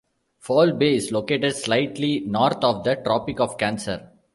Foul Bay is located slightly north of the Tropic of Cancer.